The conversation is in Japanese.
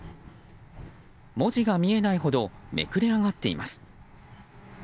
文字が見えないほどめくれ上がっています。